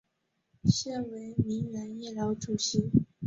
现为铭源医疗主席。